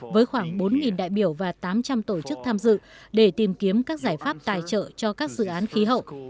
với khoảng bốn đại biểu và tám trăm linh tổ chức tham dự để tìm kiếm các giải pháp tài trợ cho các dự án khí hậu